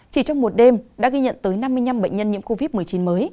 chỉ trong một đêm đã ghi nhận tới năm mươi năm bệnh nhân nhiễm covid một mươi chín mới